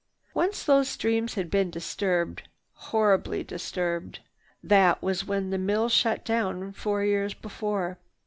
Once those streams had been disturbed, horribly disturbed. That was when the mill shut down four years before.